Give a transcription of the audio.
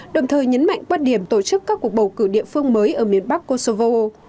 đồng thời nhấn mạnh quan điểm tổ chức các cuộc bầu cử địa phương mới ở miền bắc kosovo